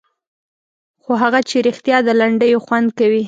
خو هغه چې رښتیا د لنډیو خوند کوي.